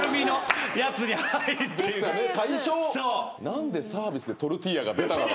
何でサービスでトルティーヤが出たのか。